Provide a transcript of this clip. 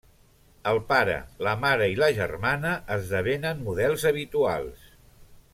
El pare, la mare i la germana esdevenen models habituals.